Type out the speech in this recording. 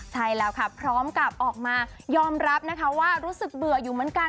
ใช่แล้วค่ะพร้อมกับออกมายอมรับนะคะว่ารู้สึกเบื่ออยู่เหมือนกัน